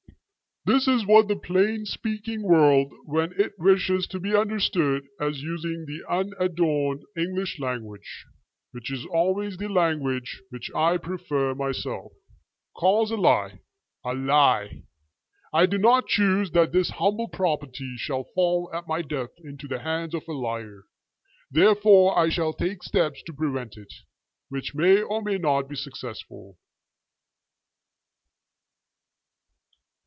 This is what the plain speaking world, when it wishes to be understood as using the unadorned English language, which is always the language which I prefer myself, calls a lie A LIE! I do not choose that this humble property shall fall at my death into the hands of A LIAR. Therefore I shall take steps to prevent it, which may or may not be successful.